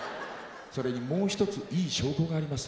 それにもう一ついい証拠があります。